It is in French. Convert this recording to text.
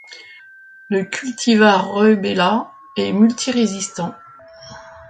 Le cultivar Rebella est multirésistant.